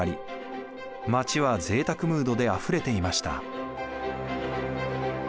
街はぜいたくムードであふれていました。